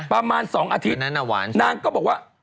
ประมาณ๒อาทิตย์นางก็บอกว่า